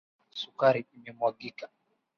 Sukari imemwagika.